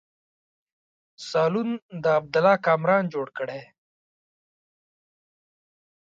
سالون د عبدالله کامران جوړ کړی.